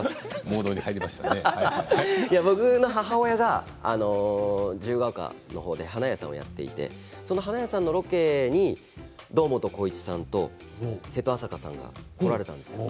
僕の母親が自由が丘の方で花屋さんをやっていてその花屋さんのロケに堂本光一さんと瀬戸朝香さんが来られたんです。